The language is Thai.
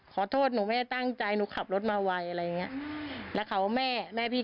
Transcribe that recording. ขอโทษหนูไม่ได้ตั้งใจหนูขับรถมาไหวอะไรพี่